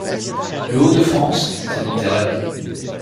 Le-Haut-de-France c’est dans tes rêves.